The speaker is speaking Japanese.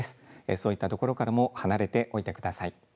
そういったところからも離れておいてください。